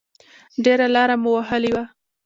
ډېره لاره مو وهلې وه.